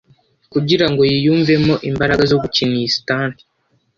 kugira ngo yiyumvemo imbaraga zo gukina iyi stunt